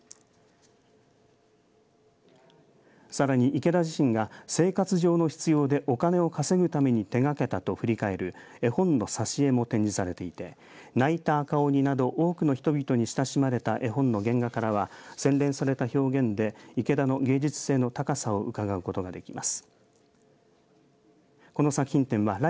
さらに池田自身が生活上の必要でお金を稼ぐために手掛けたと振り返る絵本の挿絵も展示されていてないたあかおになど多くの人々に親しまれた絵本の原画からは洗練された表現で池田の芸術性の高さをうかがうことができます。